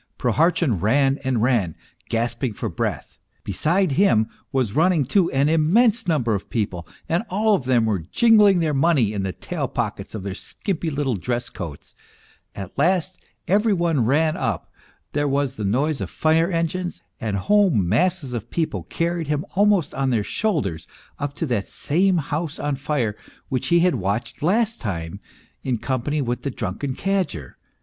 Prohartchin ran and ran, gasping for breath. ... Beside him was running, too, an immense number of people, and all of them were jingling their money in the tailpockets of their skimpy little dress coats ; at last every one ran up, there was the noise of fire engines, and whole masses of people carried him almost on their shoulders up to that same house on fire which he had watched last time in company with the drunken cadger.